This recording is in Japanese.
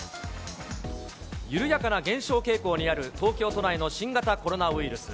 緩やかな減少傾向にある東京都内の新型コロナウイルス。